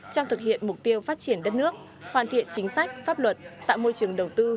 trong thực hiện mục tiêu phát triển đất nước hoàn thiện chính sách pháp luật tạo môi trường đầu tư